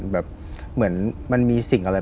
แบบเหมือนมันมีสิ่งอะไร